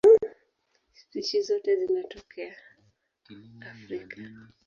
Spishi zote zinatokea Afrika.